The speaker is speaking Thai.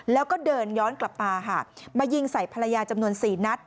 แล้วก็เดินย้อนกลับมาค่ะมายิงใส่ภรรยาจำนวน๔นัด